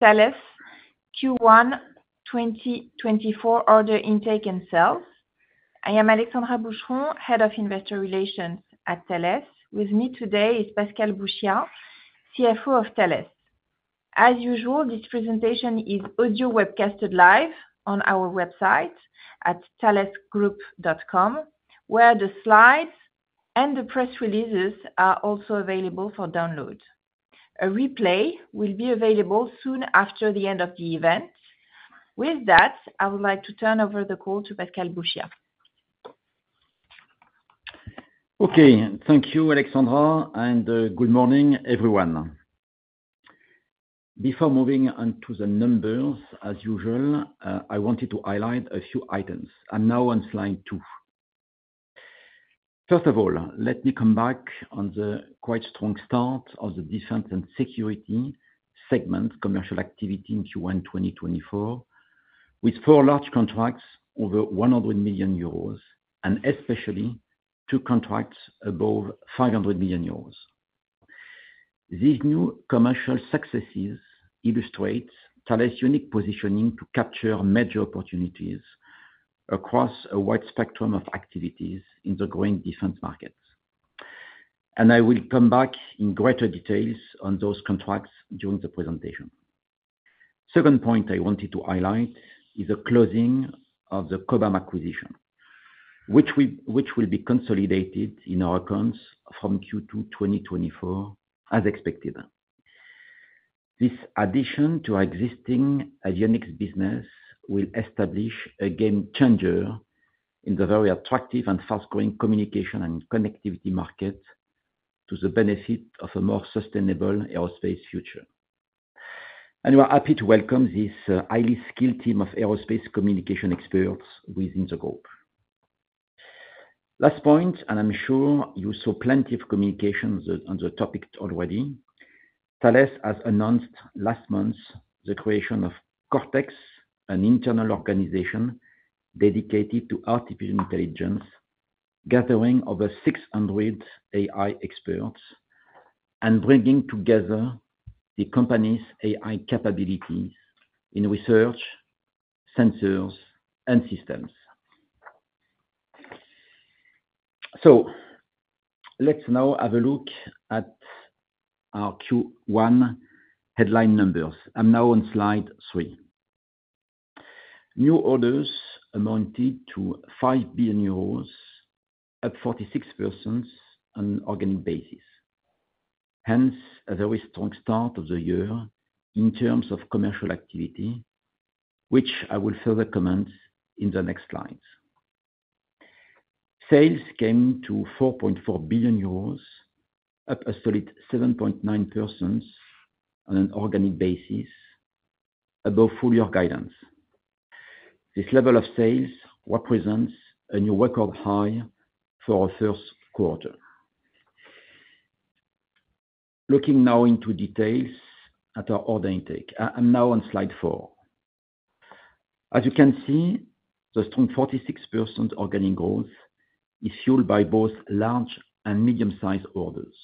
Thales, Q1 2024 order intake and sales. I am Alexandra Boucheron, Head of Investor Relations at Thales. With me today is Pascal Bouchiat, CFO of Thales. As usual, this presentation is audio webcasted live on our website at thalesgroup.com, where the slides and the press releases are also available for download. A replay will be available soon after the end of the event. With that, I would like to turn over the call to Pascal Bouchiat. Okay, thank you, Alexandra, and good morning, everyone. Before moving on to the numbers, as usual, I wanted to highlight a few items. I'm now on slide two. First of all, let me come back on the quite strong start of the defense and security segment commercial activity in Q1 2024, with four large contracts over 100 million euros and especially two contracts above 500 million euros. These new commercial successes illustrate Thales' unique positioning to capture major opportunities across a wide spectrum of activities in the growing defense markets. I will come back in greater details on those contracts during the presentation. The second point I wanted to highlight is the closing of the Cobham acquisition, which will be consolidated in our accounts from Q2 2024, as expected. This addition to our existing avionics business will establish a game changer in the very attractive and fast-growing communication and connectivity market to the benefit of a more sustainable aerospace future. We are happy to welcome this highly skilled team of aerospace communication experts within the group. Last point, and I'm sure you saw plenty of communication on the topic already, Thales has announced last month the creation of CortAIx, an internal organization dedicated to artificial intelligence, gathering over 600 AI experts and bringing together the company's AI capabilities in research, sensors, and systems. Let's now have a look at our Q1 headline numbers. I'm now on slide three. New orders amounted to 5 billion euros, up 46% on an organic basis. Hence, a very strong start of the year in terms of commercial activity, which I will further comment on in the next slides. Sales came to 4.4 billion euros, up a solid 7.9% on an organic basis, above full-year guidance. This level of sales represents a new record high for the first quarter. Looking now into details at our order intake, I'm now on slide four. As you can see, the strong 46% organic growth is fueled by both large and medium-sized orders.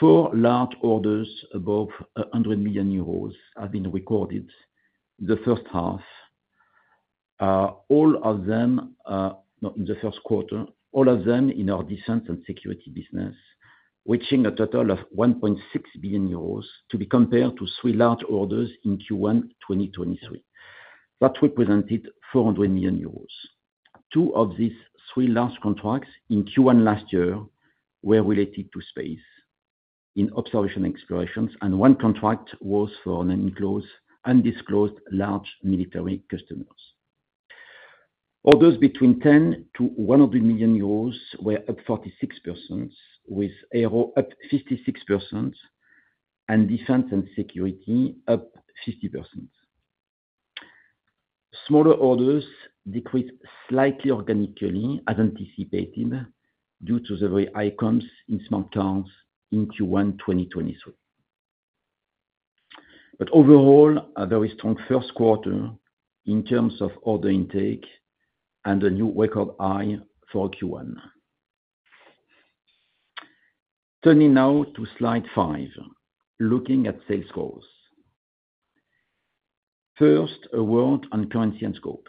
Four large orders above 100 million euros have been recorded in the first half, all of them in the first quarter, all of them in our defense and security business, reaching a total of 1.6 billion euros to be compared to three large orders in Q1 2023 that represented 400 million euros. Two of these three large contracts in Q1 last year were related to Space Observation and Exploration, and one contract was for an enclosed undisclosed large military customers. Orders between 10 million-100 million euros were up 46%, with aero up 56% and defense and security up 50%. Smaller orders decreased slightly organically, as anticipated, due to the very high comps in smart cards in Q1 2023. But overall, a very strong first quarter in terms of order intake and a new record high for Q1. Turning now to slide five, looking at sales growth. First, a word on currency and scope.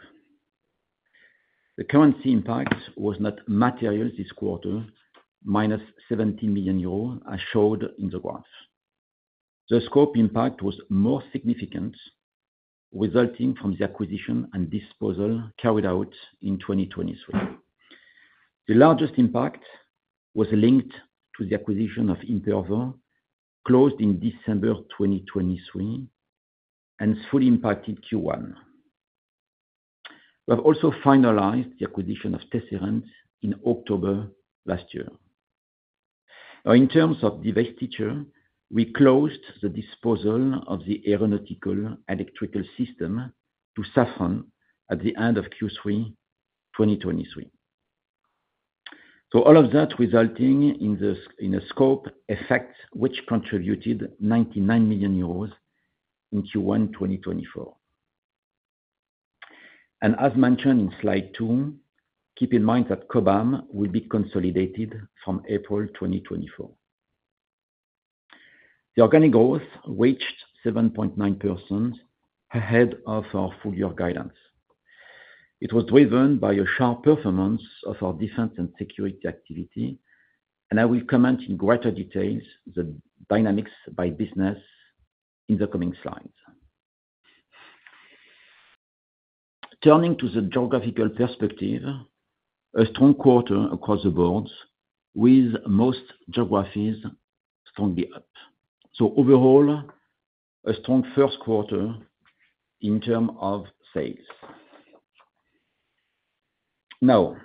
The currency impact was not material this quarter, -70 million euros, as shown in the graph. The scope impact was more significant, resulting from the acquisition and disposal carried out in 2023. The largest impact was linked to the acquisition of Imperva closed in December 2023 and fully impacted Q1. We have also finalized the acquisition of Tesserent in October last year. Now, in terms of divestiture, we closed the disposal of the aeronautical electrical system to Safran at the end of Q3 2023. So all of that resulting in a scope effect which contributed 99 million euros in Q1 2024. As mentioned in slide two, keep in mind that Cobham will be consolidated from April 2024. The organic growth reached 7.9% ahead of our full-year guidance. It was driven by a sharp performance of our defense and security activity, and I will comment on in greater details the dynamics by business in the coming slides. Turning to the geographical perspective, a strong quarter across the boards, with most geographies strongly up. So overall, a strong first quarter in terms of sales. Now,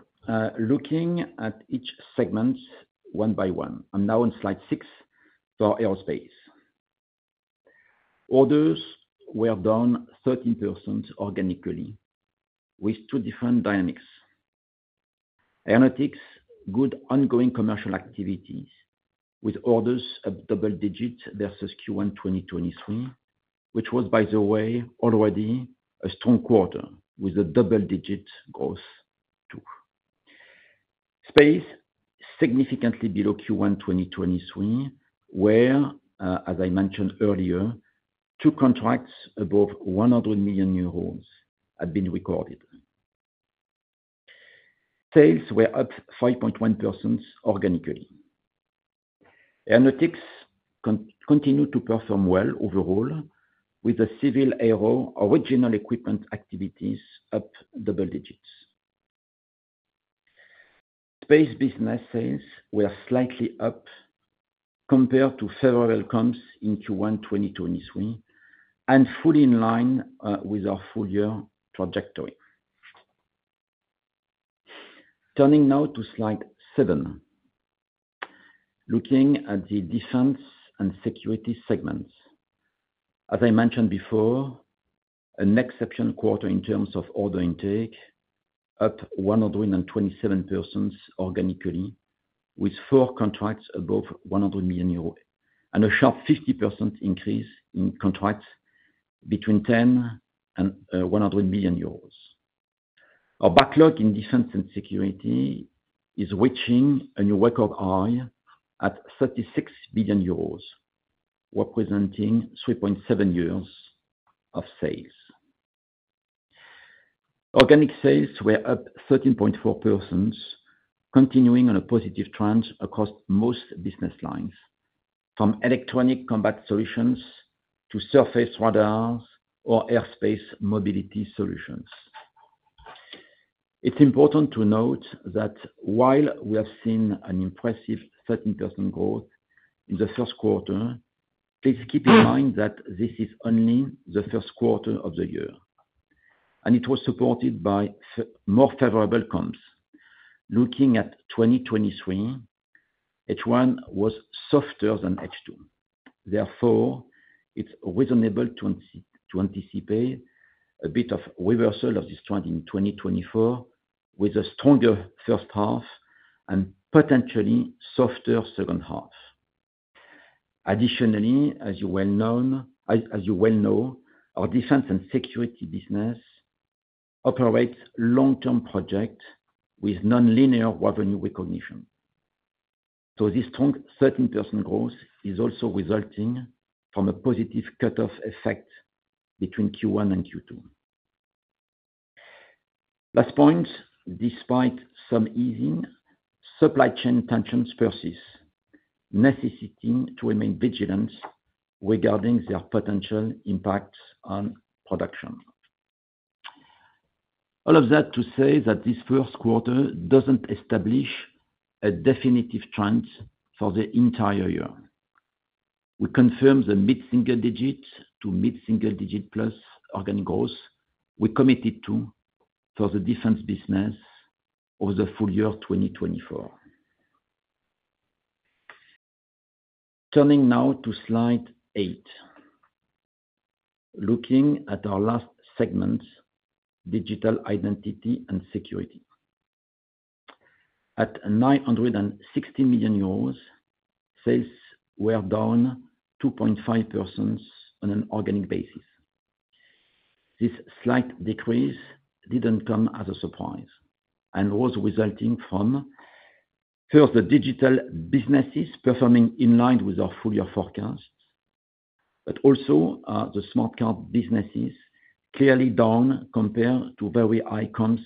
looking at each segment one by one, I'm now on slide six for aerospace. Orders were down 13% organically, with two different dynamics. Aeronautics, good ongoing commercial activities with orders of double digits versus Q1 2023, which was, by the way, already a strong quarter with a double digit growth too. Space, significantly below Q1 2023, where, as I mentioned earlier, two contracts above 100 million euros had been recorded. Sales were up 5.1% organically. Aeronautics continued to perform well overall, with the civil aero original equipment activities up double digits. Space business sales were slightly up compared to favorable comps in Q1 2023 and fully in line with our full-year trajectory. Turning now to slide seven, looking at the defense and security segments. As I mentioned before, an exceptional quarter in terms of order intake, up 127% organically, with four contracts above 100 million euros and a sharp 50% increase in contracts between 10 million and 100 million euros. Our backlog in defense and security is reaching a new record high at 36 billion euros, representing 3.7 years of sales. Organic sales were up 13.4%, continuing on a positive trend across most business lines, from electronic combat solutions to surface radars or airspace mobility solutions. It's important to note that while we have seen an impressive 13% growth in the first quarter, please keep in mind that this is only the first quarter of the year, and it was supported by more favorable comps. Looking at 2023, H1 was softer than H2. Therefore, it's reasonable to anticipate a bit of reversal of this trend in 2024 with a stronger first half and potentially softer second half. Additionally, as you well know, our defense and security business operates long-term projects with non-linear revenue recognition. So this strong 13% growth is also resulting from a positive cutoff effect between Q1 and Q2. Last point, despite some easing, supply chain tensions persist, necessitating to remain vigilant regarding their potential impacts on production. All of that to say that this first quarter doesn't establish a definitive trend for the entire year. We confirm the mid-single digit to mid-single digit plus organic growth we committed to for the defense business over the full year 2024. Turning now to slide eight, looking at our last segment, digital identity and security. At 960 million euros, sales were down 2.5% on an organic basis. This slight decrease didn't come as a surprise and was resulting from first, the digital businesses performing in line with our full-year forecasts, but also the smart card businesses clearly down compared to very high comps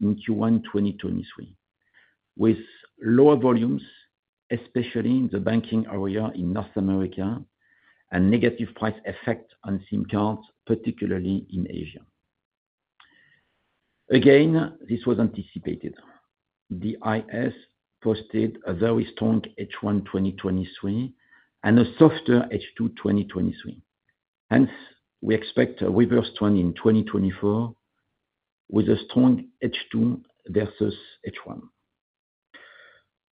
in Q1 2023, with lower volumes, especially in the banking area in North America and negative price effect on SIM cards, particularly in Asia. Again, this was anticipated. DIS posted a very strong H1 2023 and a softer H2 2023. Hence, we expect a reverse trend in 2024 with a strong H2 versus H1.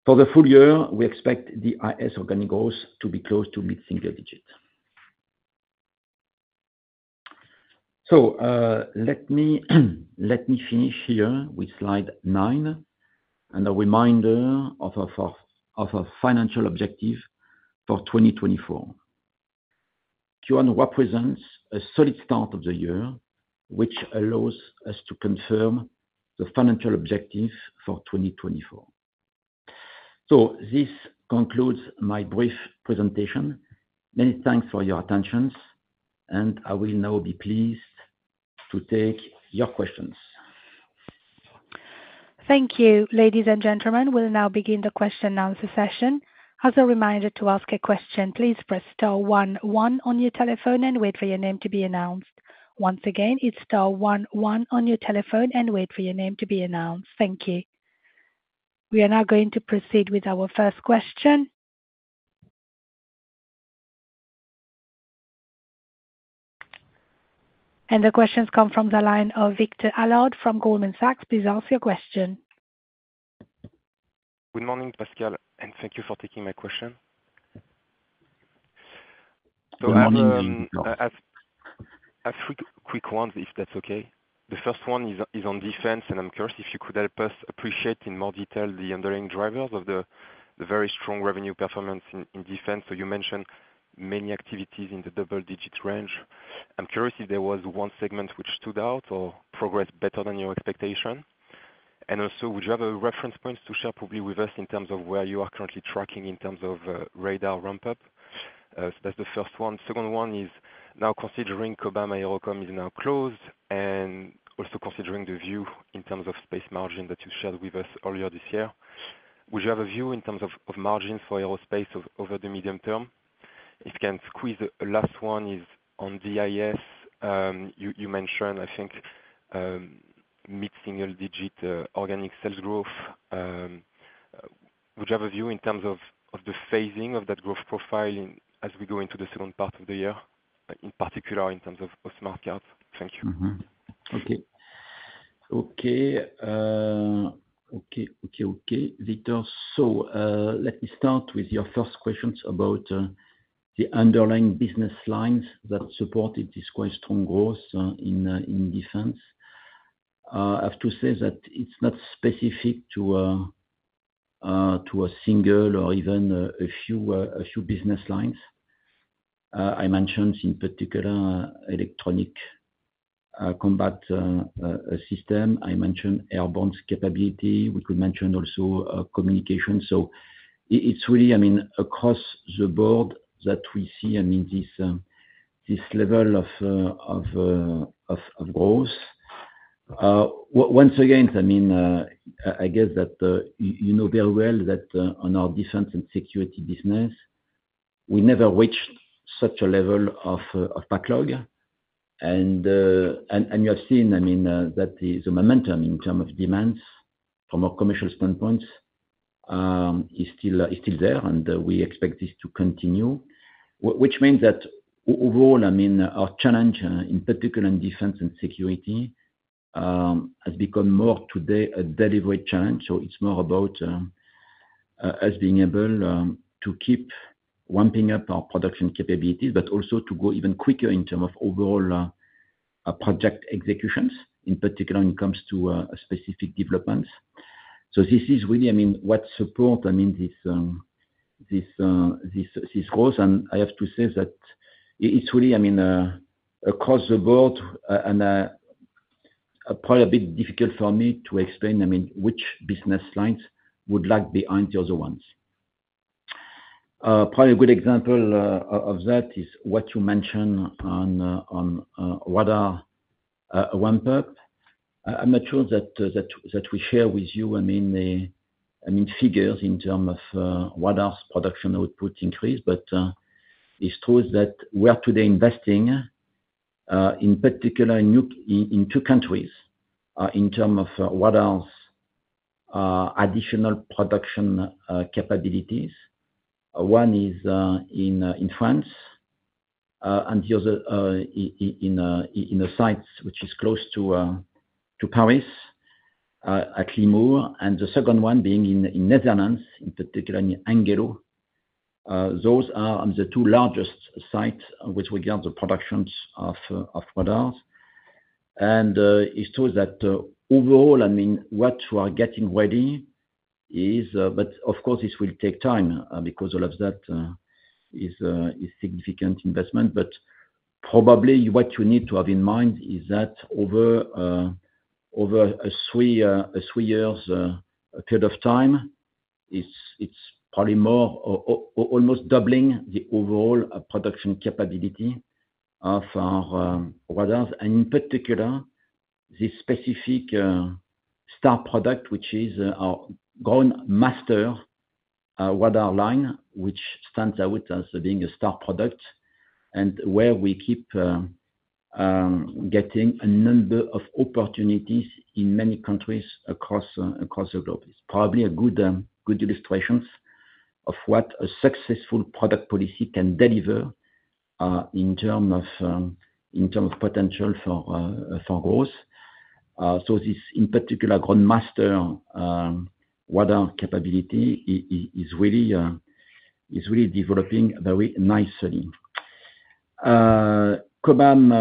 For the full year, we expect the DIS organic growth to be close to mid-single digit. So let me finish here with slide nine and a reminder of our financial objective for 2024. Q1 represents a solid start of the year, which allows us to confirm the financial objective for 2024. So this concludes my brief presentation. Many thanks for your attention, and I will now be pleased to take your questions. Thank you, ladies and gentlemen. We'll now begin the question-and-answer session. As a reminder to ask a question, please press star one one on your telephone and wait for your name to be announced. Once again, it's star one one on your telephone and wait for your name to be announced. Thank you. We are now going to proceed with our first question. The questions come from the line of Victor Allard from Goldman Sachs. Please ask your question. Good morning, Pascal, and thank you for taking my question. So I have three quick ones, if that's okay. The first one is on defense, and I'm curious if you could help us appreciate in more detail the underlying drivers of the very strong revenue performance in defense. So you mentioned many activities in the double-digit range. I'm curious if there was one segment which stood out or progressed better than your expectation. And also, would you have reference points to share probably with us in terms of where you are currently tracking in terms of radar ramp-up? So that's the first one. Second one is now considering Cobham Aerospace Communications is now closed and also considering the view in terms of space margin that you shared with us earlier this year. Would you have a view in terms of margins for aerospace over the medium term? If you can squeeze, the last one is on DIS. You mentioned, I think, mid-single digit organic sales growth. Would you have a view in terms of the phasing of that growth profile as we go into the second part of the year, in particular in terms of smart cards? Thank you. Okay. Victor, so let me start with your first questions about the underlying business lines that supported this quite strong growth in defense. I have to say that it's not specific to a single or even a few business lines. I mentioned in particular electronic combat system. I mentioned airborne capability. We could mention also communication. So it's really, I mean, across the board that we see, I mean, this level of growth. Once again, I mean, I guess that you know very well that on our defense and security business, we never reached such a level of backlog. And you have seen, I mean, that the momentum in terms of demands from our commercial standpoints is still there, and we expect this to continue, which means that overall, I mean, our challenge in particular in defense and security has become more today a deliberate challenge. So it's more about us being able to keep ramping up our production capabilities, but also to go even quicker in terms of overall project executions, in particular when it comes to specific developments. So this is really, I mean, what supports, I mean, this growth. And I have to say that it's really, I mean, across the board and probably a bit difficult for me to explain, I mean, which business lines would lag behind the other ones. Probably a good example of that is what you mentioned on radar ramp-up. I'm not sure that we share with you, I mean, figures in terms of radar's production output increase, but it's true that we are today investing, in particular, in two countries in terms of radar's additional production capabilities. One is in France and the other in a site which is close to Paris, at Limours, and the second one being in Netherlands, in particular in Hengelo. Those are the two largest sites with regards to productions of radars. It's true that overall, I mean, what we are getting ready is, but of course, this will take time because all of that is significant investment. Probably what you need to have in mind is that over a three year period of time, it's probably almost doubling the overall production capability of our radars. In particular, this specific star product, which is our Ground Master radar line, which stands out as being a star product and where we keep getting a number of opportunities in many countries across the globe. It's probably a good illustration of what a successful product policy can deliver in terms of potential for growth. So this in particular Ground Master radar capability is really developing very nicely. Cobham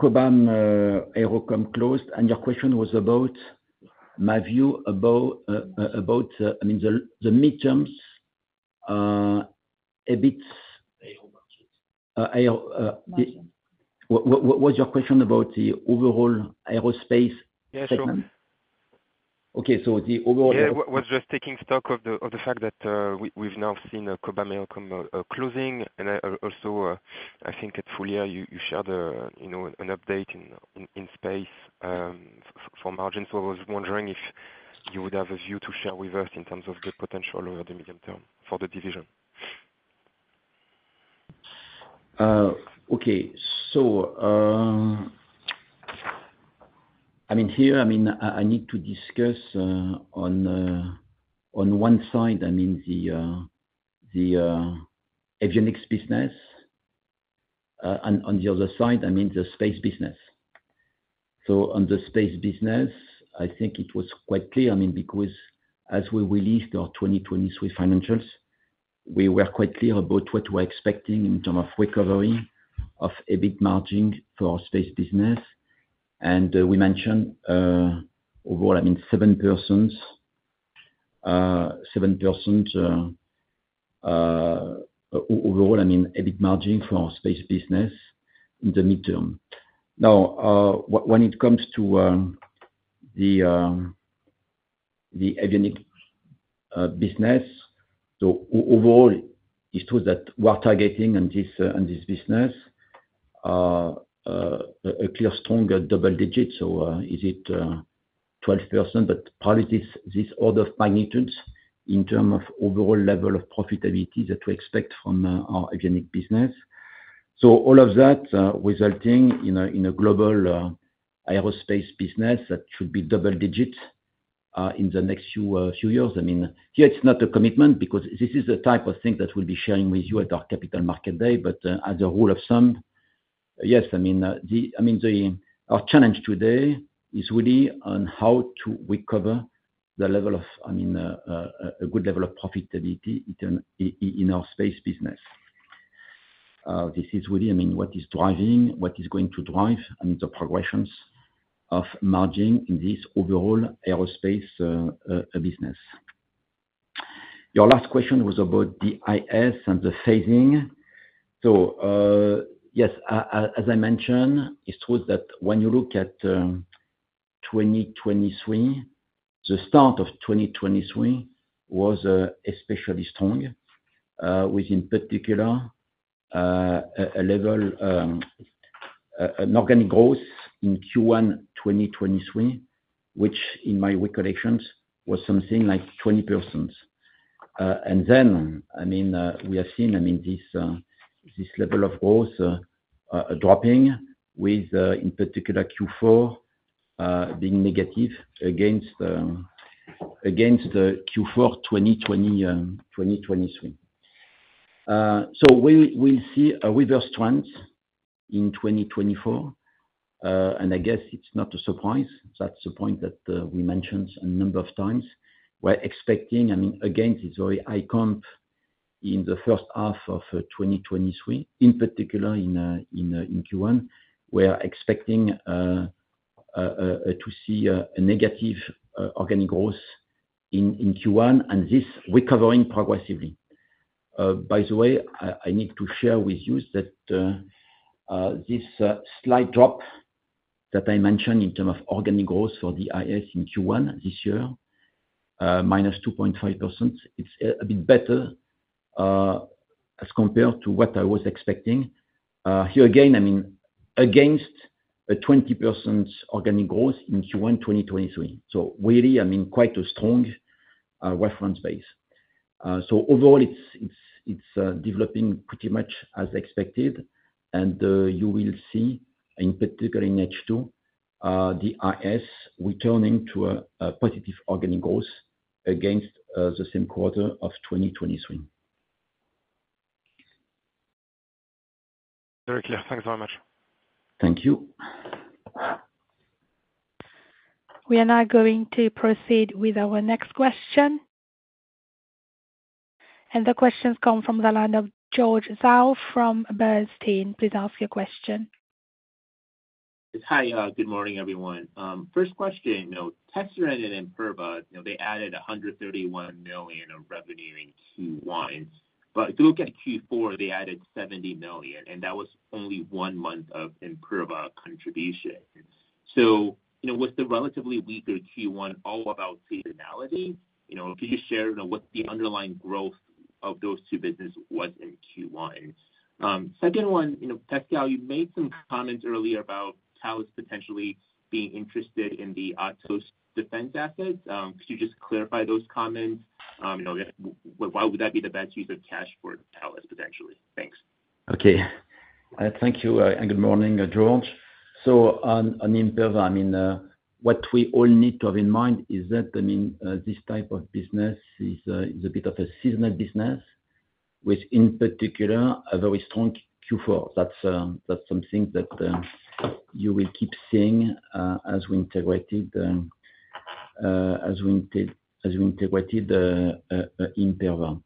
Aerospace Communications closed, and your question was about my view about, I mean, the mid-terms a bit. What was your question about the overall aerospace segment? Yes, sure. Okay. So the overall. Yeah. I was just taking stock of the fact that we've now seen Cobham Aerospace Communications closing. And also, I think at full year, you shared an update in space for margins. So I was wondering if you would have a view to share with us in terms of the potential over the medium term for the division. Okay. So I mean, here, I mean, I need to discuss on one side, I mean, the avionics business, and on the other side, I mean, the space business. So on the space business, I think it was quite clear, I mean, because as we released our 2023 financials, we were quite clear about what we are expecting in terms of recovery of EBIT margin for our space business. And we mentioned overall, I mean, 7% overall, I mean, EBIT margin for our space business in the mid-term. Now, when it comes to the avionics business, so overall, it's true that we are targeting in this business a clear stronger double digit. So is it 12%? But probably this order of magnitude in terms of overall level of profitability that we expect from our avionics business. So all of that resulting in a global aerospace business that should be double digit in the next few years. I mean, here, it's not a commitment because this is the type of thing that we'll be sharing with you at our Capital Market Day. But as a rule of thumb, yes, I mean, our challenge today is really on how to recover the level of, I mean, a good level of profitability in our space business. This is really, I mean, what is driving, what is going to drive, I mean, the progressions of margin in this overall aerospace business. Your last question was about the IS and the phasing. So yes, as I mentioned, it's true that when you look at 2023, the start of 2023 was especially strong, with in particular an organic growth in Q1 2023, which in my recollections was something like 20%. Then, I mean, we have seen, I mean, this level of growth dropping, with in particular Q4 being negative against Q4 2023. So we'll see a reverse trend in 2024. And I guess it's not a surprise. That's the point that we mentioned a number of times. We're expecting, I mean, again, this very high comp in the first half of 2023, in particular in Q1. We're expecting to see a negative organic growth in Q1 and this recovering progressively. By the way, I need to share with you that this slight drop that I mentioned in terms of organic growth for the IS in Q1 this year, -2.5%, it's a bit better as compared to what I was expecting. Here again, I mean, against a 20% organic growth in Q1 2023. So really, I mean, quite a strong reference base. Overall, it's developing pretty much as expected. You will see, in particular in H2, the IS returning to a positive organic growth against the same quarter of 2023. Very clear. Thanks very much. Thank you. We are now going to proceed with our next question. The questions come from the line of George Zhao from Bernstein. Please ask your question. Hi. Good morning, everyone. First question, Tesserent and Imperva, they added 131 million of revenue in Q1. But if you look at Q4, they added 70 million, and that was only one month of Imperva contribution. So with the relatively weaker Q1, all about seasonality, could you share what the underlying growth of those two businesses was in Q1? Second one, Pascal, you made some comments earlier about Thales potentially being interested in the Atos defense assets. Could you just clarify those comments? Why would that be the best use of cash for Thales, potentially? Thanks. Okay. Thank you and good morning, George. So on Imperva, I mean, what we all need to have in mind is that, I mean, this type of business is a bit of a seasonal business with, in particular, a very strong Q4. That's something that you will keep seeing as we integrated Imperva.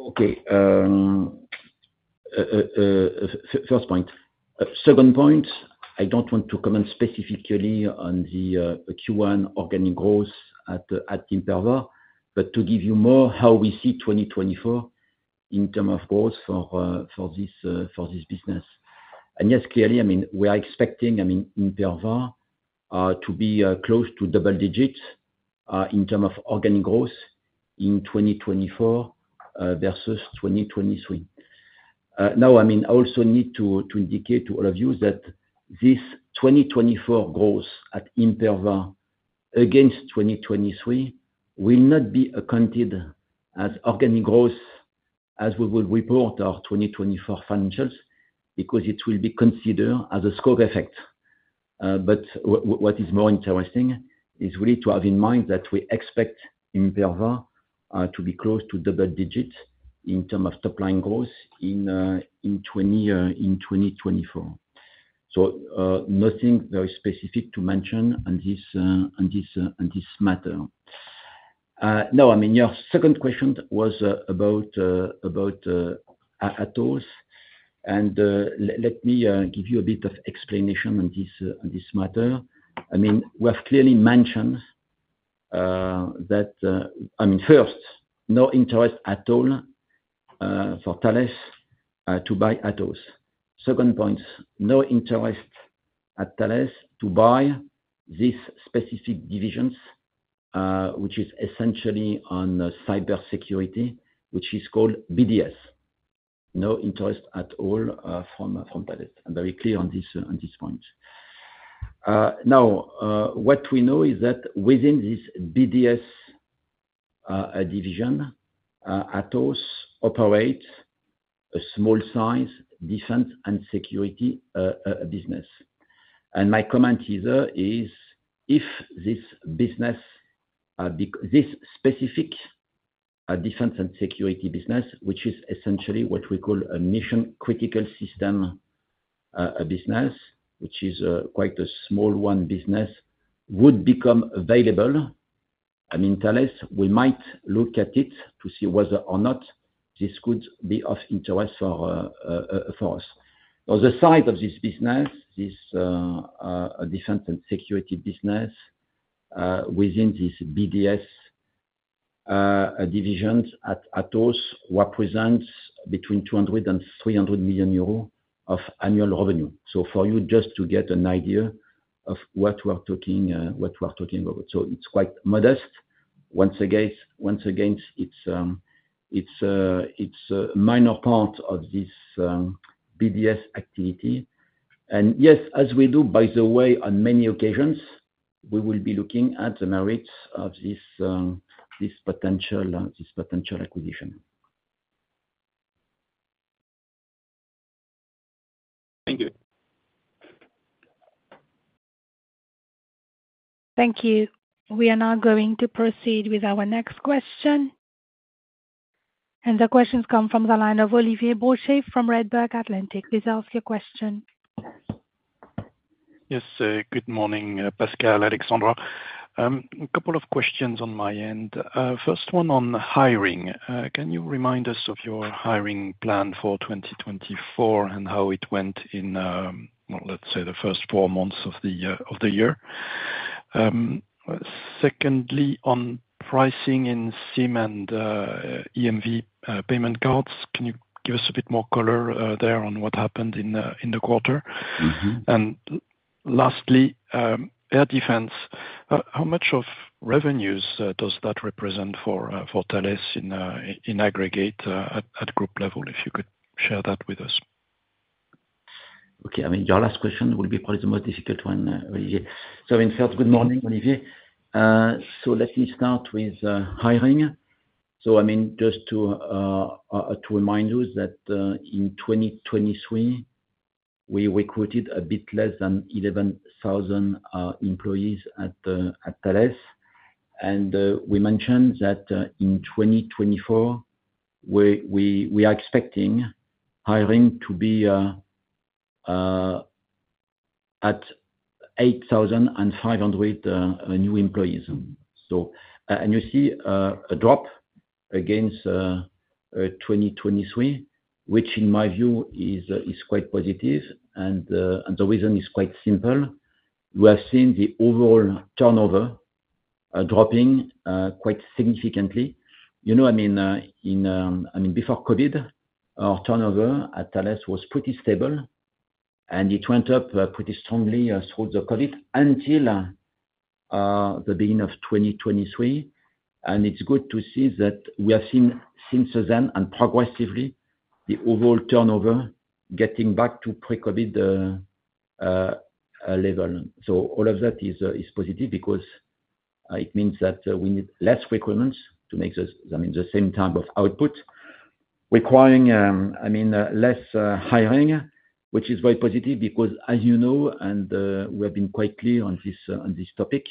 Okay. First point. Second point, I don't want to comment specifically on the Q1 organic growth at Imperva, but to give you more how we see 2024 in terms of growth for this business. And yes, clearly, I mean, we are expecting, I mean, Imperva to be close to double digit in terms of organic growth in 2024 versus 2023. Now, I mean, I also need to indicate to all of you that this 2024 growth at Imperva against 2023 will not be accounted as organic growth as we will report our 2024 financials because it will be considered as a scope effect. But what is more interesting is really to have in mind that we expect Imperva to be close to double digit in terms of top-line growth in 2024. So nothing very specific to mention on this matter. Now, I mean, your second question was about Atos. And let me give you a bit of explanation on this matter. I mean, we have clearly mentioned that, I mean, first, no interest at all for Thales to buy Atos. Second point, no interest at Thales to buy these specific divisions, which is essentially on cybersecurity, which is called BDS. No interest at all from Thales. I'm very clear on this point. Now, what we know is that within this BDS division, Atos operates a small-size defense and security business. My comment here is if this business, this specific defense and security business, which is essentially what we call a mission-critical system business, which is quite a small one business, would become available, I mean, Thales, we might look at it to see whether or not this could be of interest for us. On the side of this business, this defense and security business within this BDS division at Atos represents between 200 million euros and 300 million euros of annual revenue. For you, just to get an idea of what we are talking about. It's quite modest. Once again, it's a minor part of this BDS activity. Yes, as we do, by the way, on many occasions, we will be looking at the merits of this potential acquisition. Thank you. Thank you. We are now going to proceed with our next question. The questions come from the line of Olivier Brochet from Redburn Atlantic. Please ask your question. Yes. Good morning, Pascal, Alexandra. A couple of questions on my end. First one on hiring. Can you remind us of your hiring plan for 2024 and how it went in, well, let's say, the first four months of the year? Secondly, on pricing in SIM and EMV payment cards, can you give us a bit more color there on what happened in the quarter? And lastly, air defense, how much of revenues does that represent for Thales in aggregate at group level, if you could share that with us? Okay. I mean, your last question will be probably the most difficult one, Olivier. So I mean, first, good morning, Olivier. So let me start with hiring. So I mean, just to remind you that in 2023, we recruited a bit less than 11,000 employees at Thales. And we mentioned that in 2024, we are expecting hiring to be at 8,500 new employees. And you see a drop against 2023, which in my view is quite positive. And the reason is quite simple. We have seen the overall turnover dropping quite significantly. I mean, before COVID, our turnover at Thales was pretty stable. And it went up pretty strongly throughout the COVID until the beginning of 2023. And it's good to see that we have seen since then and progressively the overall turnover getting back to pre-COVID level. So all of that is positive because it means that we need less requirements to make, I mean, the same type of output requiring, I mean, less hiring, which is very positive because, as you know, and we have been quite clear on this topic,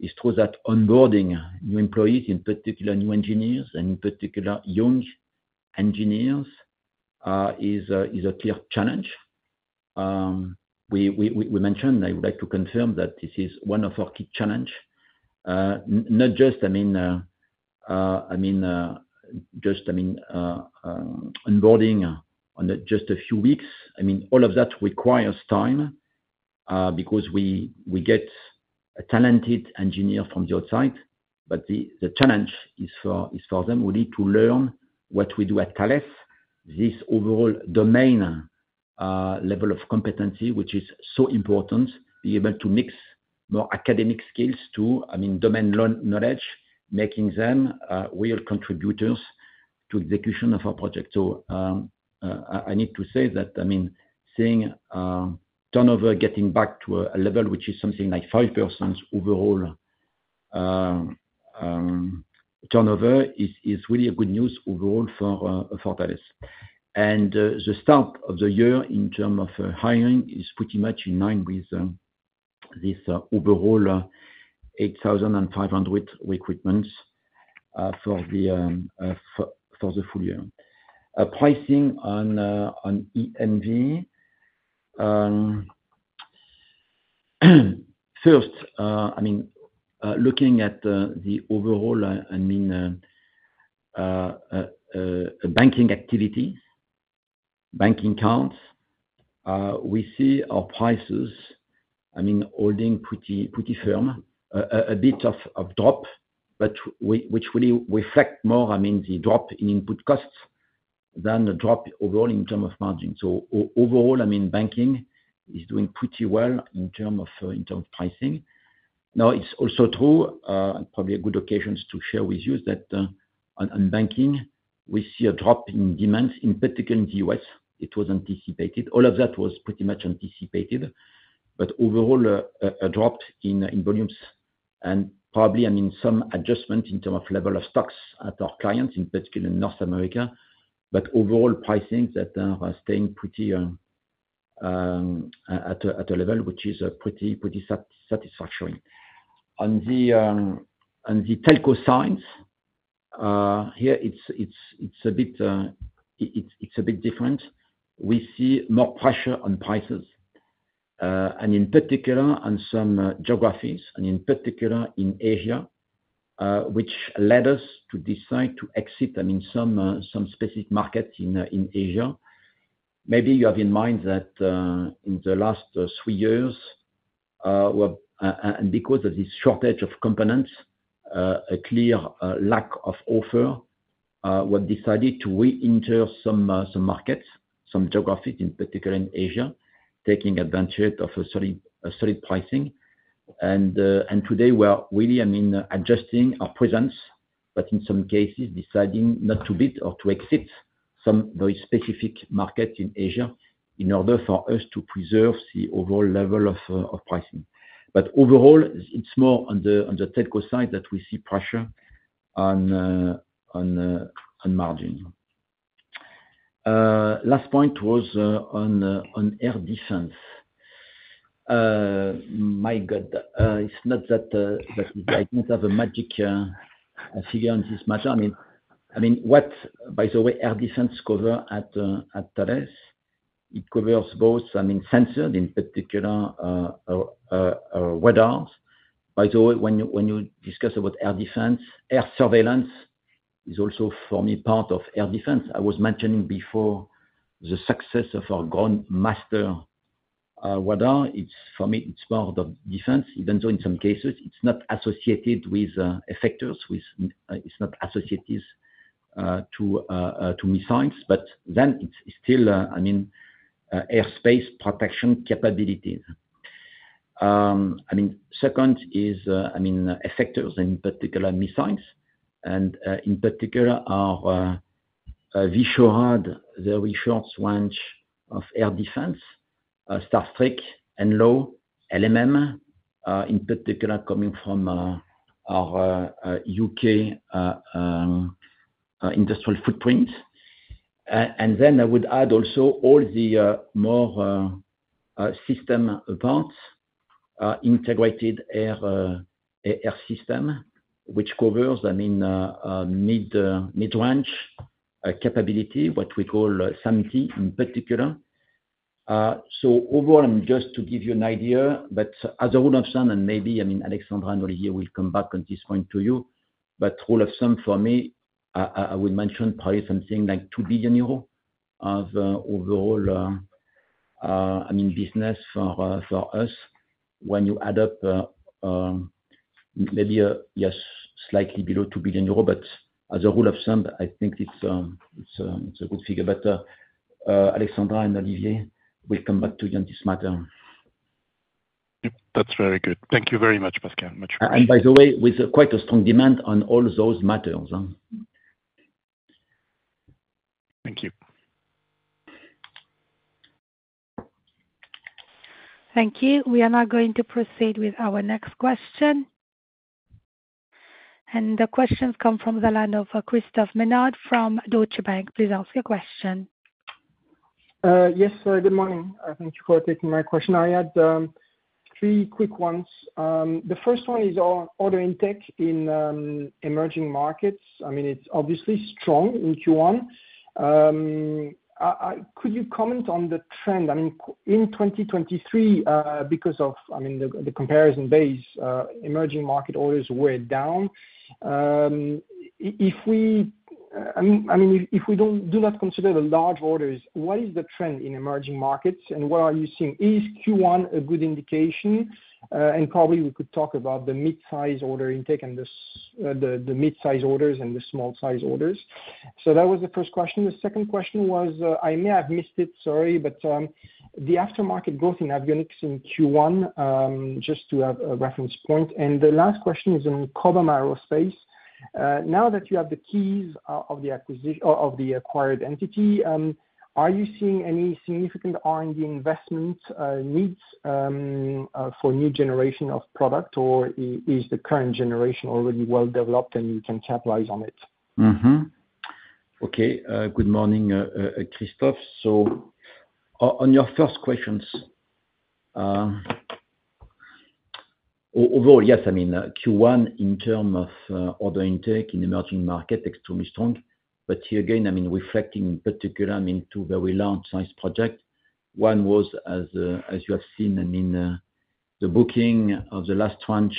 it's true that onboarding new employees, in particular new engineers and in particular young engineers, is a clear challenge. We mentioned, I would like to confirm that this is one of our key challenges. Not just, I mean, I mean, just, I mean, onboarding on just a few weeks. I mean, all of that requires time because we get a talented engineer from the outside. But the challenge is for them really to learn what we do at Thales, this overall domain level of competency, which is so important, being able to mix more academic skills to, I mean, domain knowledge, making them real contributors to execution of our project. So I need to say that, I mean, seeing turnover getting back to a level which is something like 5% overall turnover is really good news overall for Thales. And the start of the year in terms of hiring is pretty much in line with this overall 8,500 recruitments for the full year. Pricing on EMV. First, I mean, looking at the overall, I mean, banking activity, banking accounts, we see our prices, I mean, holding pretty firm, a bit of drop, but which really reflect more, I mean, the drop in input costs than the drop overall in terms of margin. So overall, I mean, banking is doing pretty well in terms of pricing. Now, it's also true, and probably a good occasion to share with you, that on banking, we see a drop in demands, in particular in the U.S. It was anticipated. All of that was pretty much anticipated, but overall, a drop in volumes and probably, I mean, some adjustment in terms of level of stocks at our clients, in particular in North America. But overall, pricings that are staying pretty at a level which is pretty satisfactory. On the telco side, here, it's a bit different. We see more pressure on prices, and in particular on some geographies, and in particular in Asia, which led us to decide to exit, I mean, some specific markets in Asia. Maybe you have in mind that in the last three years, and because of this shortage of components, a clear lack of offer, we decided to re-enter some markets, some geographies, in particular in Asia, taking advantage of a solid pricing. And today, we are really, I mean, adjusting our presence, but in some cases, deciding not to bid or to exit some very specific markets in Asia in order for us to preserve the overall level of pricing. But overall, it's more on the telco side that we see pressure on margin. Last point was on air defense. My God, it's not that I don't have a magic figure on this matter. I mean, what, by the way, air defense covers at Thales, it covers both, I mean, sensors, in particular radars. By the way, when you discuss about air defense, air surveillance is also, for me, part of air defense. I was mentioning before the success of our Ground Master radar. For me, it's more of defense, even though in some cases, it's not associated with effectors, it's not associated to missiles, but then it's still, I mean, airspace protection capabilities. I mean, second is, I mean, effectors and in particular missiles. And in particular, our VSHORAD, the very short range air defense, Starstreak, NLAW, LMM, in particular coming from our U.K. industrial footprints. And then I would add also all the more system parts, integrated air system, which covers, I mean, mid-range capability, what we call SAMP/T in particular. So overall, I'm just to give you an idea, but as a rule of thumb, and maybe, I mean, Alexandra and Olivier will come back on this point to you, but rule of thumb for me, I would mention probably something like 2 billion euros of overall, I mean, business for us when you add up maybe, yes, slightly below 2 billion euro, but as a rule of thumb, I think it's a good figure. But Alexandra and Olivier will come back to you on this matter. That's very good. Thank you very much, Pascal. Much appreciated. By the way, with quite a strong demand on all those matters. Thank you. Thank you. We are now going to proceed with our next question. The questions come from the line of Christophe Menard from Deutsche Bank. Please ask your question. Yes. Good morning. Thank you for taking my question. I had three quick ones. The first one is order intake in emerging markets. I mean, it's obviously strong in Q1. Could you comment on the trend? I mean, in 2023, because of, I mean, the comparison base, emerging market orders were down. I mean, if we do not consider the large orders, what is the trend in emerging markets and what are you seeing? Is Q1 a good indication? And probably we could talk about the mid-size order intake and the mid-size orders and the small-size orders. So that was the first question. The second question was, I may have missed it, sorry, but the aftermarket growth in Avionics in Q1, just to have a reference point. And the last question is on Cobham Aerospace. Now that you have the keys of the acquired entity, are you seeing any significant R&D investment needs for new generation of product, or is the current generation already well developed and you can capitalize on it? Okay. Good morning, Christophe. So on your first questions, overall, yes, I mean, Q1 in terms of order intake in emerging markets is extremely strong. But here again, I mean, reflecting in particular, I mean, two very large-sized projects. One was, as you have seen, I mean, the booking of the last tranche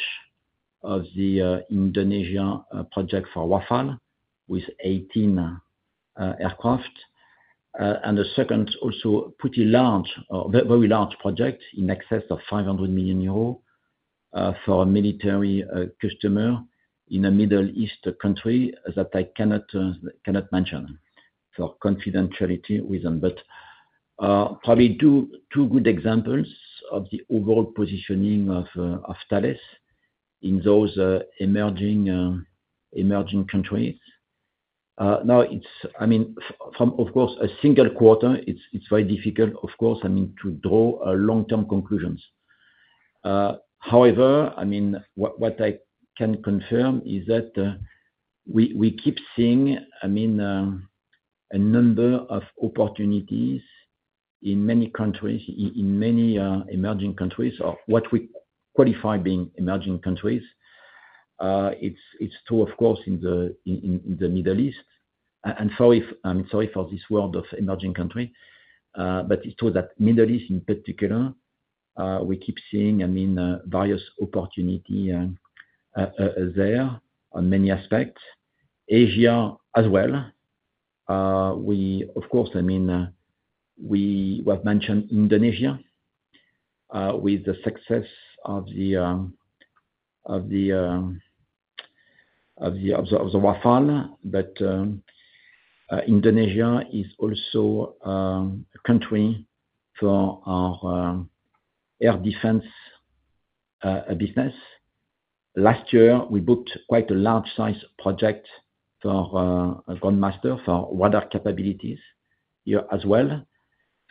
of the Indonesia project for Rafale with 18 aircraft. And the second, also pretty large, very large project in excess of 500 million euros for a military customer in a Middle East country that I cannot mention for confidentiality reasons. But probably two good examples of the overall positioning of Thales in those emerging countries. Now, I mean, from, of course, a single quarter, it's very difficult, of course, I mean, to draw long-term conclusions. However, I mean, what I can confirm is that we keep seeing, I mean, a number of opportunities in many countries, in many emerging countries, or what we qualify being emerging countries. It's true, of course, in the Middle East. And sorry for this word of emerging country, but it's true that Middle East in particular, we keep seeing, I mean, various opportunities there on many aspects. Asia as well. Of course, I mean, we have mentioned Indonesia with the success of the Rafale. But Indonesia is also a country for our air defense business. Last year, we booked quite a large-sized project for a Ground Master for radar capabilities here as well.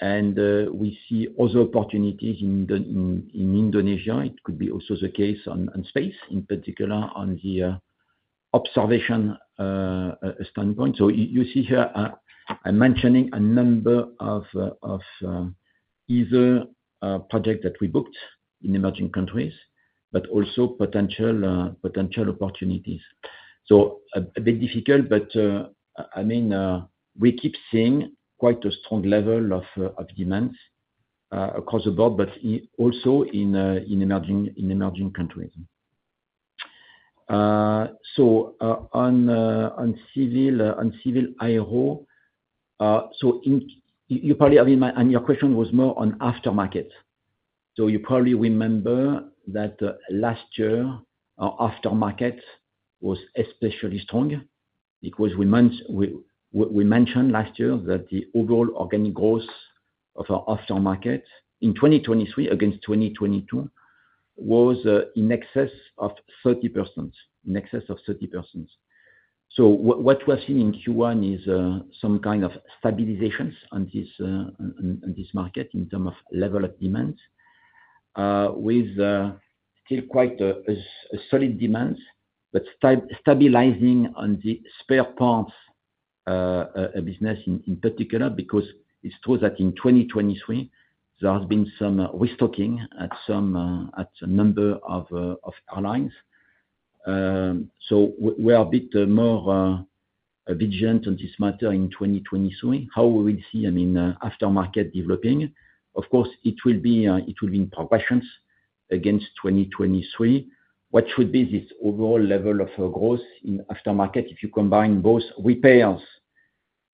And we see other opportunities in Indonesia. It could be also the case on space, in particular, on the observation standpoint. So you see here I'm mentioning a number of either projects that we booked in emerging countries, but also potential opportunities. So a bit difficult, but I mean, we keep seeing quite a strong level of demand across the board, but also in emerging countries. So on civil aero, so you probably have in mind, and your question was more on aftermarket. So you probably remember that last year, our aftermarket was especially strong because we mentioned last year that the overall organic growth of our aftermarket in 2023 against 2022 was in excess of 30%, in excess of 30%. So what we have seen in Q1 is some kind of stabilizations on this market in terms of level of demand with still quite a solid demand, but stabilizing on the spare parts business in particular because it's true that in 2023, there has been some restocking at a number of airlines. So we are a bit more vigilant on this matter in 2023. How we will see, I mean, aftermarket developing, of course, it will be in progressions against 2023. What should be this overall level of growth in aftermarket if you combine both repairs,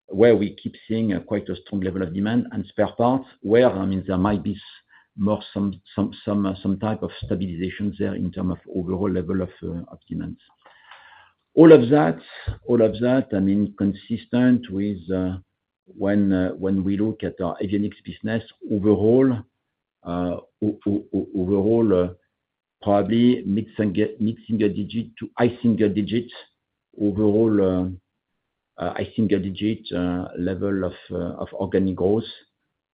where we keep seeing quite a strong level of demand, and spare parts, where, I mean, there might be more some type of stabilizations there in terms of overall level of growth. All of that, I mean, consistent with when we look at our Avionics business overall, overall probably mid-single digit to high-single digit overall, high-single digit level of organic growth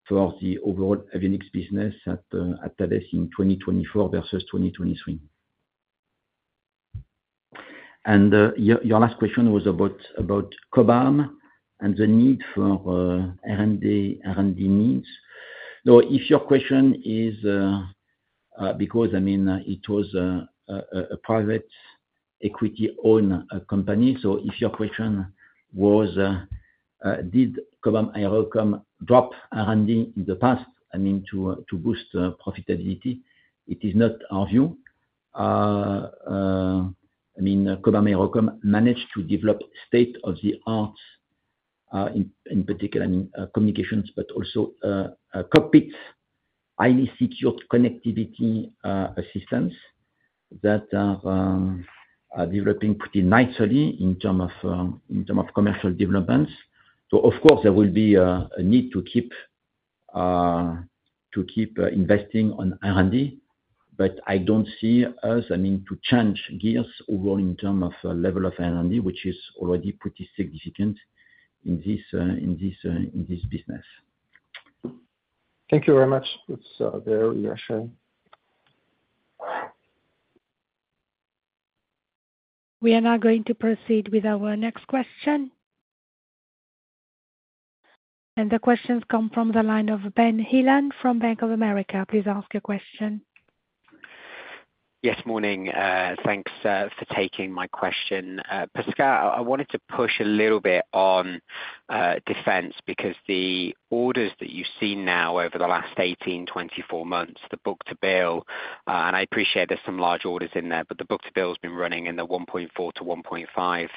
for the overall Avionics business at Thales in 2024 versus 2023. And your last question was about Cobham and the need for R&D needs. Now, if your question is because, I mean, it was a private equity-owned company. So if your question was, did Cobham AeroCom drop R&D in the past, I mean, to boost profitability? It is not our view. I mean, Cobham AeroCom managed to develop state-of-the-art in particular, I mean, communications, but also cockpits, highly secured connectivity systems that are developing pretty nicely in terms of commercial developments. Of course, there will be a need to keep investing on R&D, but I don't see us, I mean, to change gears overall in terms of level of R&D, which is already pretty significant in this business. Thank you very much. It's very interesting. We are now going to proceed with our next question. The questions come from the line of Ben Heelan from Bank of America. Please ask your question. Yes. Morning. Thanks for taking my question. Pascal, I wanted to push a little bit on defense because the orders that you've seen now over the last 18, 24 months, the book-to-bill, and I appreciate there's some large orders in there, but the book-to-bill has been running in the 1.4-1.5 level.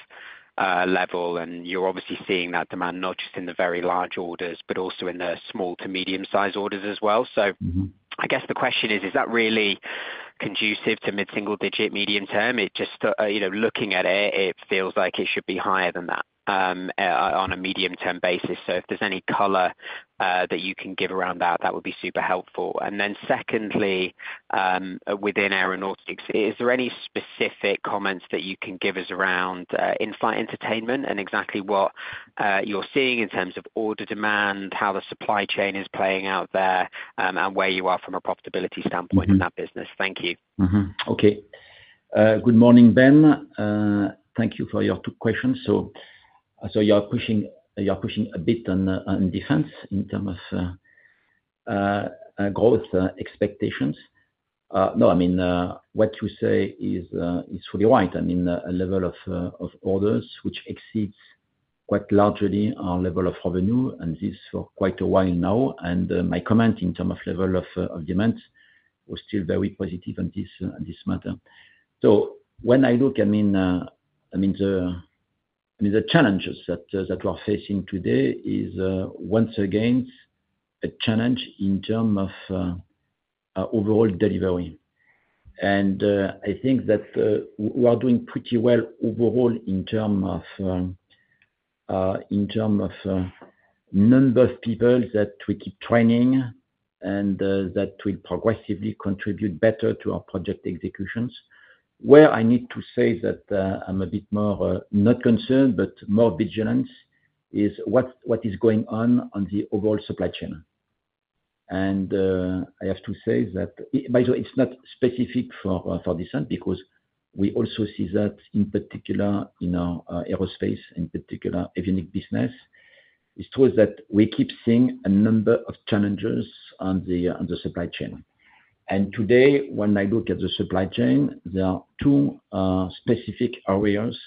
And you're obviously seeing that demand not just in the very large orders, but also in the small to medium-sized orders as well. So I guess the question is, is that really conducive to mid-single digit medium term? Looking at it, it feels like it should be higher than that on a medium-term basis. So if there's any color that you can give around that, that would be super helpful. And then secondly, within aeronautics, is there any specific comments that you can give us around in-flight entertainment and exactly what you're seeing in terms of order demand, how the supply chain is playing out there, and where you are from a profitability standpoint in that business? Thank you. Okay. Good morning, Ben. Thank you for your two questions. So you are pushing a bit on defense in terms of growth expectations. No, I mean, what you say is fully right. I mean, a level of orders which exceeds quite largely our level of revenue, and this for quite a while now. And my comment in terms of level of demand was still very positive on this matter. So when I look, I mean, the challenges that we are facing today is once again a challenge in terms of overall delivery. And I think that we are doing pretty well overall in terms of number of people that we keep training and that will progressively contribute better to our project executions. Where I need to say that I'm a bit more not concerned, but more vigilant is what is going on on the overall supply chain. And I have to say that, by the way, it's not specific for this one because we also see that in particular in our aerospace, in particular, avionics business. It's true that we keep seeing a number of challenges on the supply chain. And today, when I look at the supply chain, there are two specific areas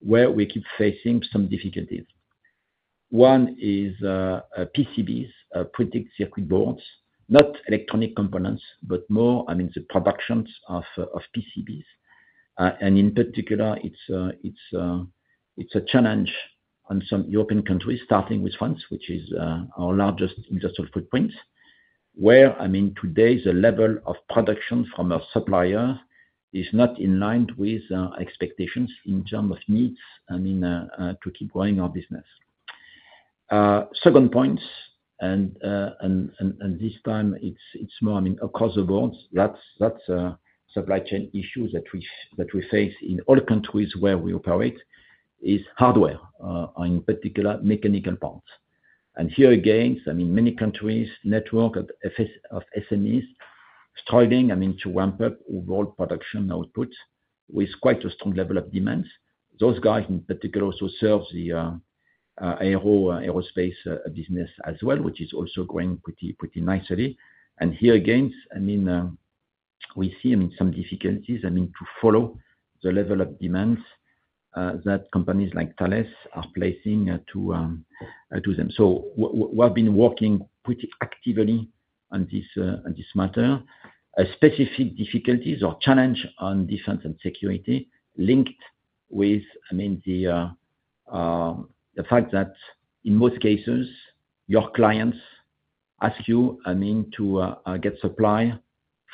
where we keep facing some difficulties. One is PCBs, printed circuit boards, not electronic components, but more, I mean, the productions of PCBs. And in particular, it's a challenge on some European countries, starting with France, which is our largest industrial footprint, where, I mean, today, the level of production from our supplier is not in line with expectations in terms of needs, I mean, to keep growing our business. Second point, and this time, it's more, I mean, across the board, that's a supply chain issue that we face in all countries where we operate, is hardware, in particular, mechanical parts. And here again, I mean, many countries, network of SMEs, struggling, I mean, to ramp up overall production output with quite a strong level of demand. Those guys, in particular, also serve the aerospace business as well, which is also growing pretty nicely. And here again, I mean, we see, I mean, some difficulties, I mean, to follow the level of demands that companies like Thales are placing to them. So we have been working pretty actively on this matter. Specific difficulties or challenge on defense and security linked with, I mean, the fact that in most cases, your clients ask you, I mean, to get supply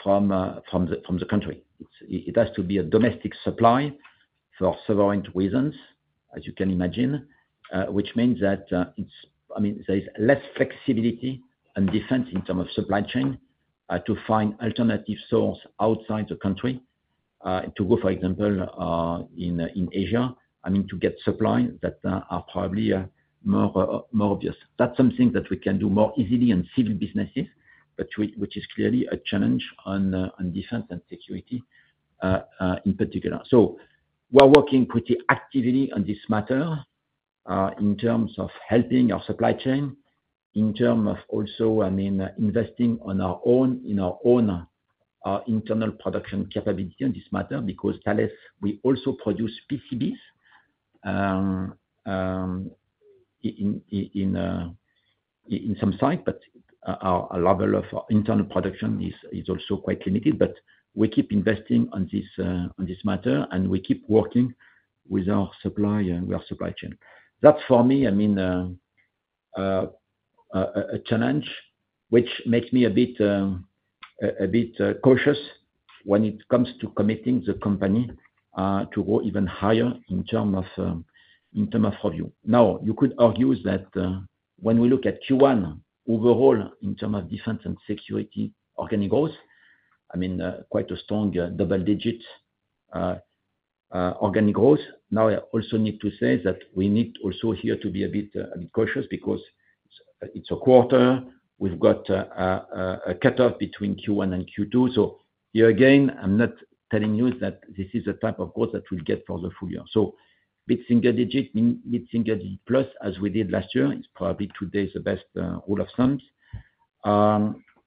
from the country. It has to be a domestic supply for several reasons, as you can imagine, which means that there is less flexibility and defense in terms of supply chain to find alternative sources outside the country to go, for example, in Asia, I mean, to get supplies that are probably more obvious. That's something that we can do more easily in civil businesses, which is clearly a challenge on defense and security in particular. So we are working pretty actively on this matter in terms of helping our supply chain, in terms of also, I mean, investing in our own internal production capability on this matter because Thales, we also produce PCBs in some sites, but our level of internal production is also quite limited. But we keep investing on this matter, and we keep working with our supply chain. That's, for me, I mean, a challenge, which makes me a bit cautious when it comes to committing the company to go even higher in terms of revenue. Now, you could argue that when we look at Q1 overall in terms of defense and security organic growth, I mean, quite a strong double-digit organic growth. Now, I also need to say that we need also here to be a bit cautious because it's a quarter. We've got a cutoff between Q1 and Q2. So here again, I'm not telling you that this is the type of growth that we'll get for the full year. So mid-single digit, mid-single digit plus, as we did last year, is probably today's best rule of thumb.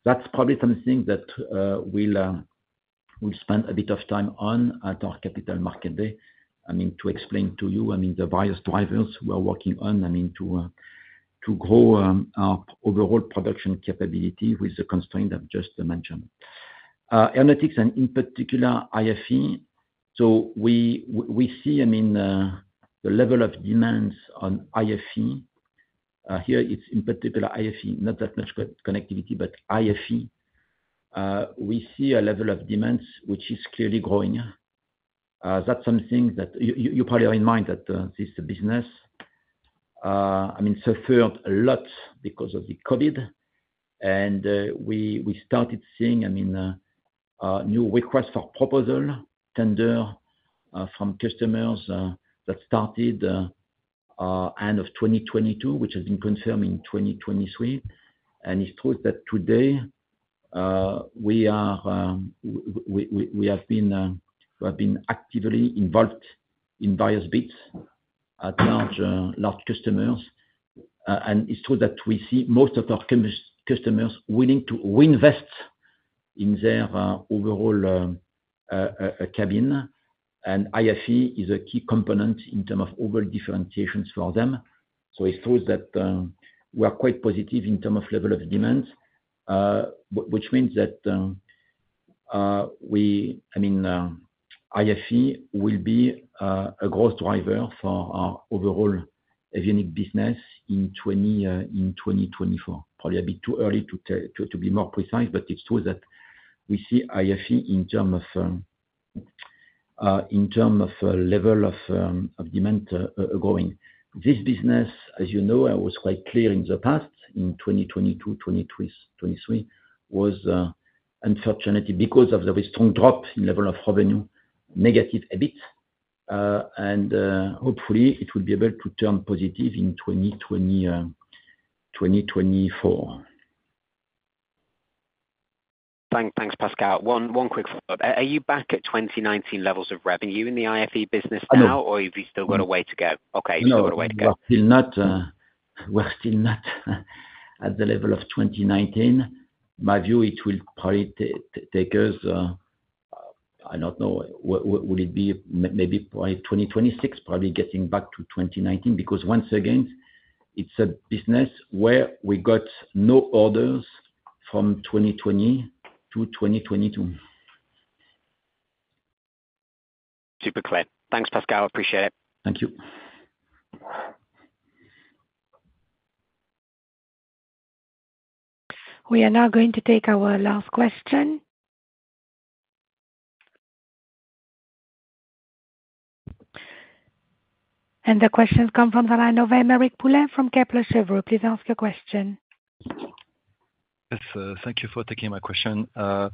That's probably something that we'll spend a bit of time on at our capital market day, I mean, to explain to you, I mean, the various drivers we are working on, I mean, to grow our overall production capability with the constraint of just the management. Aeronautics and in particular, IFE. So we see, I mean, the level of demands on IFE. Here, it's in particular IFE, not that much connectivity, but IFE. We see a level of demands which is clearly growing. That's something that you probably have in mind that this business, I mean, suffered a lot because of the COVID. And we started seeing, I mean, new requests for proposals, tender from customers that started end of 2022, which has been confirmed in 2023. And it's true that today, we have been actively involved in various bits at large customers. It's true that we see most of our customers willing to reinvest in their overall cabin. IFE is a key component in terms of overall differentiations for them. It's true that we are quite positive in terms of level of demands, which means that, I mean, IFE will be a growth driver for our overall Avionics business in 2024. Probably a bit too early to be more precise, but it's true that we see IFE in terms of level of demand growing. This business, as you know, was quite weak in the past, in 2022, 2023, was unfortunate because of the very strong drop in level of revenue, negative a bit. Hopefully, it will be able to turn positive in 2024. Thanks, Pascal. One quick follow-up. Are you back at 2019 levels of revenue in the IFE business now, or have you still got a way to go? Okay. You still got a way to go. We're still not at the level of 2019. My view, it will probably take us, I don't know, will it be maybe probably 2026, probably getting back to 2019 because once again, it's a business where we got no orders from 2020-2022. Super clear. Thanks, Pascal. Appreciate it. Thank you. We are now going to take our last question. The questions come from the line of Aymeric Poulain from Kepler Cheuvreux. Please ask your question. Thank you for taking my question. So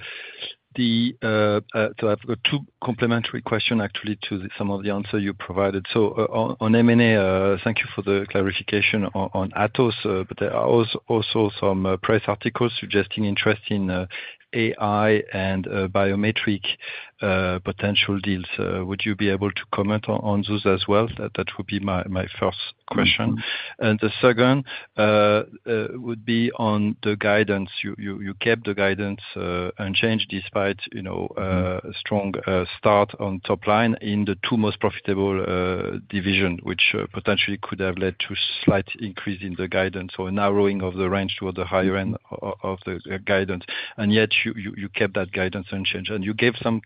I've got two complementary questions, actually, to some of the answers you provided. So on M&A, thank you for the clarification on Atos, but there are also some press articles suggesting interest in AI and biometric potential deals. Would you be able to comment on those as well? That would be my first question. And the second would be on the guidance. You kept the guidance unchanged despite a strong start on top line in the two most profitable divisions, which potentially could have led to a slight increase in the guidance or narrowing of the range toward the higher end of the guidance. And yet, you kept that guidance unchanged. And you gave some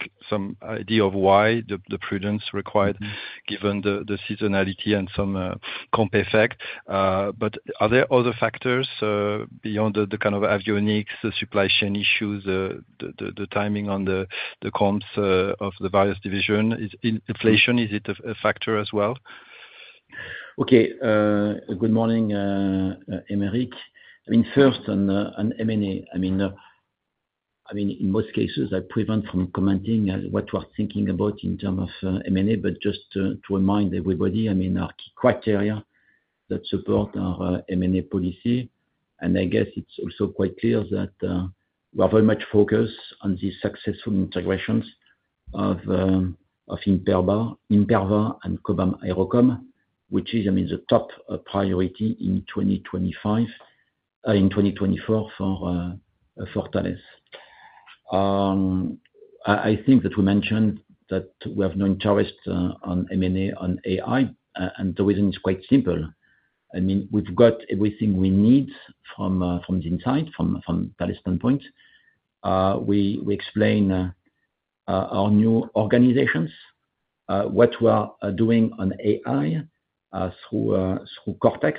idea of why the prudence required given the seasonality and some comp effect. But are there other factors beyond the kind of avionics, the supply chain issues, the timing on the comps of the various divisions? Inflation, is it a factor as well? Okay. Good morning, Aymeric. I mean, first, on M&A. I mean, in most cases, I prevent from commenting what we are thinking about in terms of M&A, but just to remind everybody, I mean, our key criteria that support our M&A policy. And I guess it's also quite clear that we are very much focused on the successful integrations of Imperva and Cobham AeroCom, which is, I mean, the top priority in 2024 for Thales. I think that we mentioned that we have no interest on M&A on AI. And the reason is quite simple. I mean, we've got everything we need from the inside, from Thales standpoint. We explain our new organizations, what we are doing on AI through cortAIx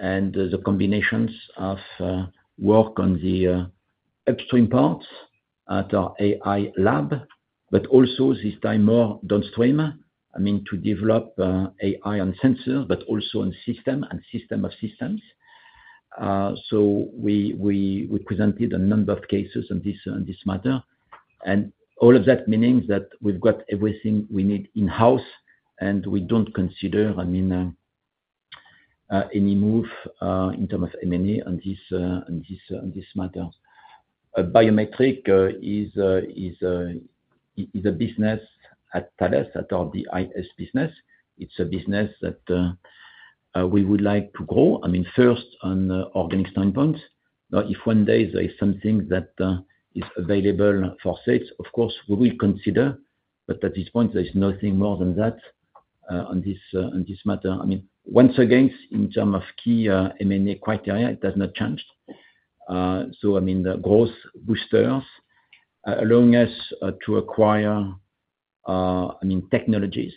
and the combinations of work on the upstream parts at our AI lab, but also this time more downstream, I mean, to develop AI on sensors, but also on system and system of systems. So we presented a number of cases on this matter. And all of that means that we've got everything we need in-house, and we don't consider, I mean, any move in terms of M&A on this matter. Biometrics is a business at Thales, at our DIS business. It's a business that we would like to grow, I mean, first on organic standpoints. Now, if one day there is something that is available for sales, of course, we will consider. But at this point, there is nothing more than that on this matter. I mean, once again, in terms of key M&A criteria, it has not changed. So, I mean, growth boosters allowing us to acquire, I mean, technologies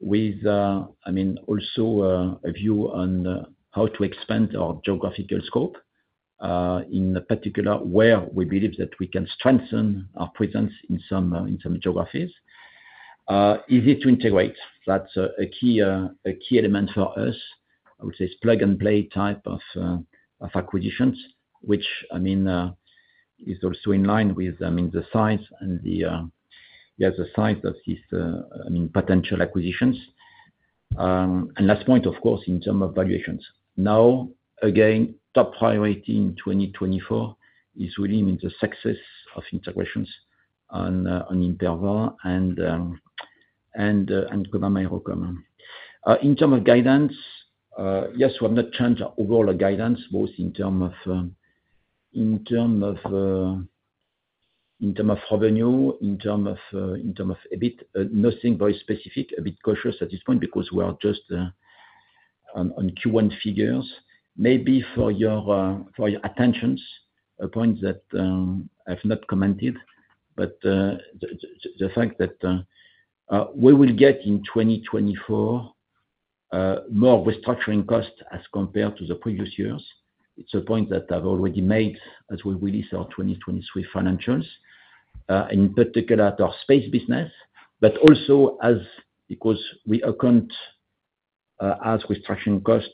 with, I mean, also a view on how to expand our geographical scope, in particular, where we believe that we can strengthen our presence in some geographies. Easy to integrate. That's a key element for us. I would say it's plug-and-play type of acquisitions, which, I mean, is also in line with, I mean, the size and the, yeah, the size of these, I mean, potential acquisitions. And last point, of course, in terms of valuations. Now, again, top priority in 2024 is really, I mean, the success of integrations on Imperva and Cobham AeroCom. In terms of guidance, yes, we have not changed our overall guidance, both in terms of revenue, in terms of EBIT. Nothing very specific. A bit cautious at this point because we are just on Q1 figures. Maybe for your attention, a point that I have not commented, but the fact that we will get in 2024 more restructuring costs as compared to the previous years. It's a point that I've already made as we release our 2023 financials, in particular, at our space business, but also because we account as restructuring costs,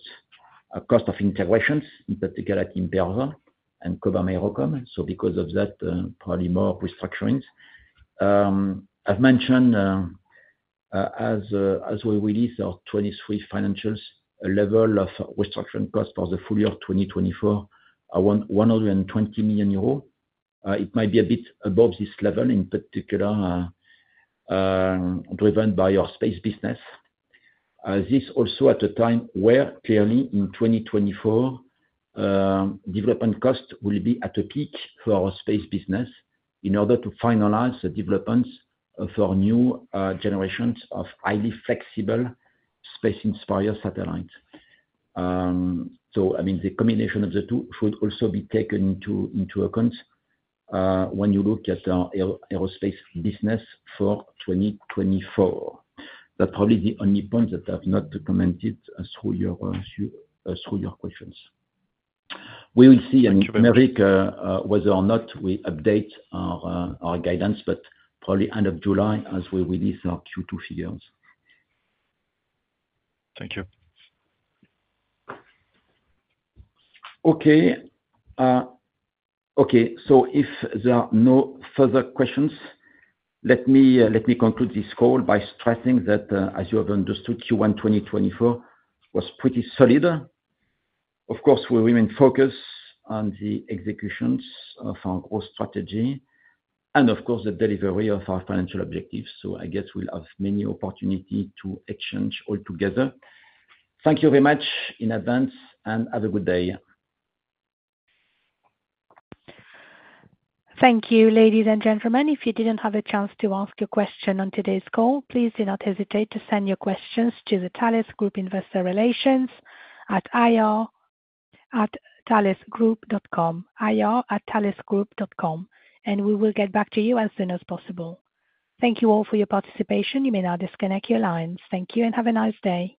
cost of integrations, in particular, at Imperva and Cobham AeroCom. So because of that, probably more restructurings. I've mentioned, as we release our 2023 financials, a level of restructuring costs for the full year 2024 of 120 million euros. It might be a bit above this level, in particular, driven by our space business. This also at a time where, clearly, in 2024, development costs will be at a peak for our space business in order to finalize the developments for new generations of highly flexible space-inspired satellites. So, I mean, the combination of the two should also be taken into account when you look at our aerospace business for 2024. That's probably the only point that I've not commented through your questions. We will see, I mean, Aymeric, whether or not we update our guidance, but probably end of July as we release our Q2 figures. Thank you. Okay. So if there are no further questions, let me conclude this call by stressing that, as you have understood, Q1 2024 was pretty solid. Of course, we remain focused on the executions of our growth strategy and, of course, the delivery of our financial objectives. So I guess we'll have many opportunities to exchange altogether. Thank you very much in advance, and have a good day. Thank you, ladies and gentlemen. If you didn't have a chance to ask your question on today's call, please do not hesitate to send your questions to the Thales Group Investor Relations at ir@thalesgroup.com. We will get back to you as soon as possible. Thank you all for your participation. You may now disconnect your lines. Thank you, and have a nice day.